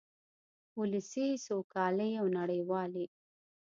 ولسي سوکالۍ او نړیوالې